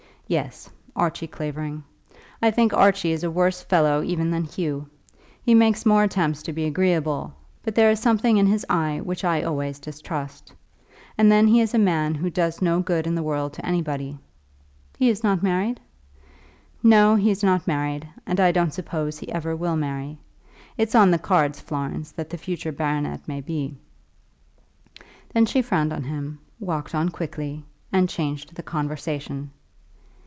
"Yes; Archie Clavering. I think Archie is a worse fellow even than Hugh. He makes more attempts to be agreeable, but there is something in his eye which I always distrust. And then he is a man who does no good in the world to anybody." "He's not married?" "No; he's not married, and I don't suppose he ever will marry. It's on the cards, Florence, that the future baronet may be " Then she frowned on him, walked on quickly, and changed the conversation.